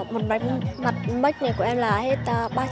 một mạch mếch này của em là hết ba trăm linh